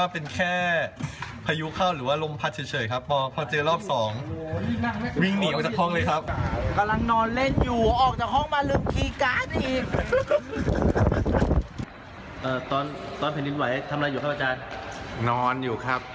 นอนแล้วก็รีบใส่เสื้อผ้าวิ่งออกไปเลย